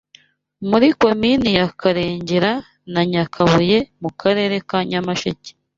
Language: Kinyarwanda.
muri Komini ya Karengera na Nyakabuye mu Karere ka Nyamasheke